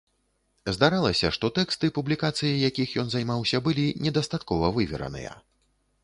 Здаралася, што тэксты, публікацыяй якіх ён займаўся, былі недастаткова вывераныя.